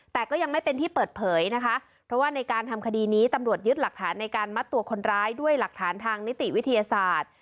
แต่ก็ยังไม่เป็นที่เปิดเผยนะคะเพราะว่าในการทำคดีนี้ตำรวจยึดหลักฐานในการมัดตัวคนร้ายด้วยหลักฐานทางนิติวิทยาศาสตร์